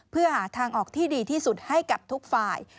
เพื่อหาทางออกที่ดีที่สุดให้กับทุกฝ่าย